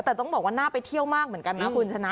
แต่ต้องบอกว่าน่าไปเที่ยวมากเหมือนกันนะคุณชนะ